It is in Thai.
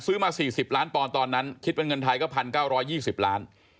ซื้อมาสี่สิบล้านปอนตอนนั้นคิดเป็นเงินไทยก็พันเก้าร้อยยี่สิบล้าน